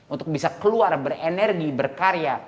untuk bisa keluar berenergi berkarya